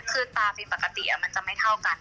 คือตาฟิลปกติมันจะไม่เท่ากัน